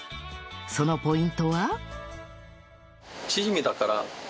そのポイントは？